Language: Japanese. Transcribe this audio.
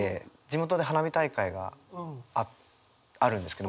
地元で花火大会があるんですけど毎年。